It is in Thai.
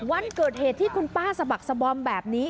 วันเกิดเหตุที่คุณป้าสะบักสบอมแบบนี้